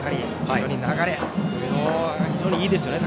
非常に流れ、いいですね